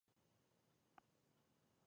آمو سیند د افغانانو د معیشت سرچینه ده.